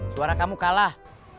suara kamu kalah